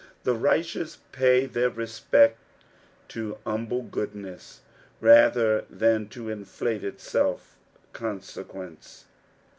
The righteous pay their respect to humble goodness, ratber than to inflated self consequence.